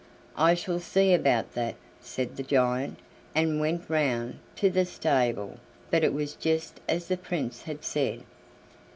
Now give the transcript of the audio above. "I shall see about that," said the giant, and went round to the stable, but it was just as the Prince had said.